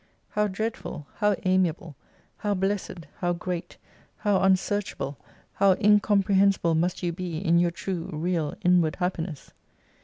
How dreadful, how amiable, how blessed, how great, how unsearchable, how incomprehensible must you be in your true real inward happiness